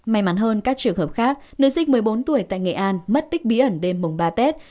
may mắn hơn các trường hợp khác nữ sinh một mươi bốn tuổi tại nghệ an mất tích bí ẩn đêm mùng ba tết